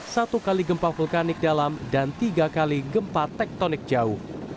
satu kali gempa vulkanik dalam dan tiga kali gempa tektonik jauh